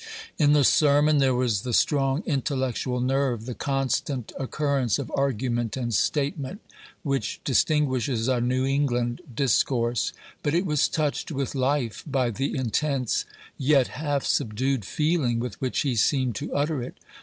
In the sermon, there was the strong intellectual nerve, the constant occurrence of argument and statement, which distinguishes a New England discourse; but it was touched with life by the intense, yet half subdued, feeling with which he seemed to utter it.